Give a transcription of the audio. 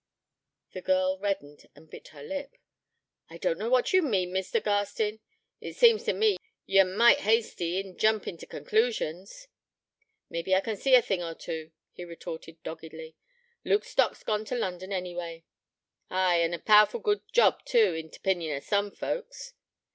The girl reddened, and bit her lip. 'I don't know what you mean, Mr. Garstin. It seems to me ye're might hasty in jumpin' t' conclusions.' 'Mabbe I kin see a thing or two,' he retorted doggedly. 'Luke Stock's gone to London, anyway.' 'Ay, an' a powerful good job too, in t' opinion o' some folks.'